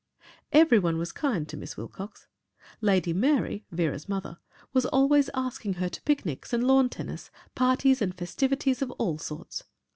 Every one was kind to Miss Wilcox. Lady Mary (Vera's mother) was always asking her to picnics and lawn tennis, parties and festivities of all sorts.